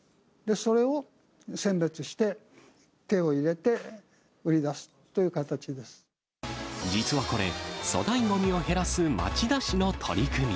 それを選別して、手を入れて、実はこれ、粗大ごみを減らす町田市の取り組み。